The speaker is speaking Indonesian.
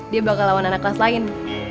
dia bakal lawan anak kelas lain